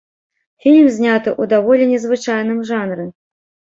Фільм зняты ў даволі незвычайным жанры.